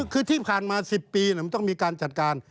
คือที่ผ่านมา๑๐ปีมันต้องมีการจัดการ